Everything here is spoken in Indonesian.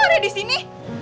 kok lo ada di sini